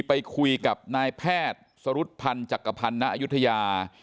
ไปคุยกับนายแพทย์สรุษภัณฑ์จักรภัณฑ์นายุทยา